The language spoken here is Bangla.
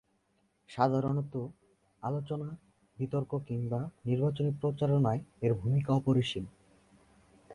সাধারণতঃ আলোচনা, বিতর্ক কিংবা নির্বাচনী প্রচারণায় এর ভূমিকা অপরিসীম।